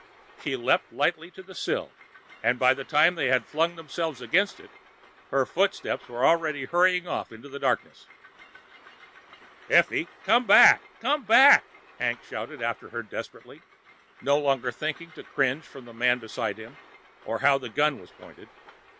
She leaped lightly to the sill, and by the time they had flung themselves against it, her footsteps were already hurrying off into the darkness. "Effie, come back! Come back!" Hank shouted after her desperately, no longer thinking to cringe from the man beside him, or how the gun was pointed.